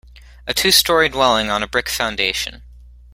A two story dwelling, on a brick foundation.